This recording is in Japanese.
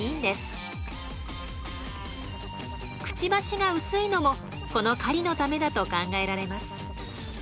クチバシが薄いのもこの狩りのためだと考えられます。